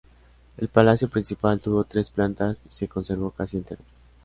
El palacio principal tuvo tres plantas y se conservó casi entero.